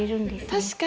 あ確かに。